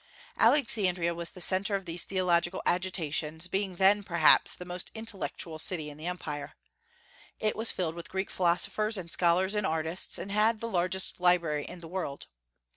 Alexandria was the centre of these theological agitations, being then, perhaps, the most intellectual city in the Empire. It was filled with Greek philosophers and scholars and artists, and had the largest library in the world.